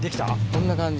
こんな感じ。